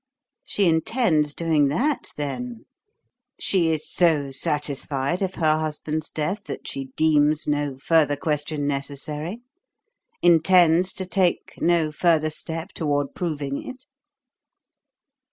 "She intends doing that, then? She is so satisfied of her husband's death that she deems no further question necessary. Intends to take no further step toward proving it?"